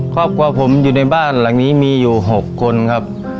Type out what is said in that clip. ครอบครัวผมอยู่ในบ้านหลังนี้มีอยู่๖คนครับ